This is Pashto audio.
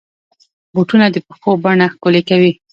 بوټونه د پښو بڼه ښکلي کوي.